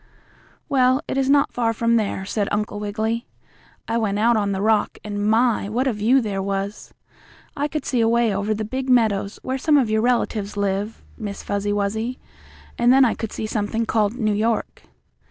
"Well, it is not far from there," said Uncle Wiggily. "I went out on the rock, and my! what a view there was! I could see away over the big meadows, where some of your relatives live, Miss Fuzzy Wuzzy, and then I could see something called New York."